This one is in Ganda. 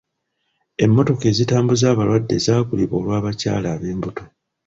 Emmotoka ezitambuza abalwadde zaagulibwa olw'abakyala ab'embuto.